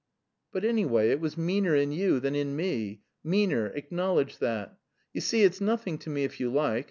"But, anyway, it was meaner in you than in me, meaner, acknowledge that. You see, it's nothing to me if you like.